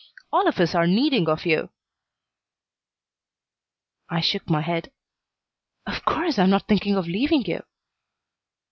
All of us are needing of you." I shook my head. "Of course I'm not thinking of leaving you."